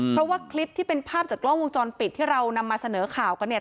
เพราะว่าคลิปที่เป็นภาพจากกล้องวงจรปิดที่เรานำมาเสนอข่าวกันเนี่ย